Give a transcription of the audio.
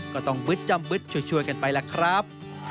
ก็ต้องมึดจำมึดช่วยกันไปล่ะครับ